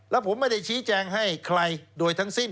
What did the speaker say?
แล้วผมไม่ได้ชี้แจงให้ใครโดยทั้งสิ้น